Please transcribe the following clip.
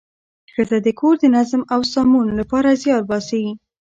ښځه د کور د نظم او سمون لپاره زیار باسي